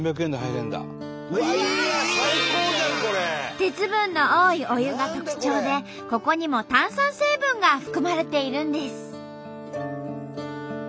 鉄分の多いお湯が特徴でここにも炭酸成分が含まれているんです。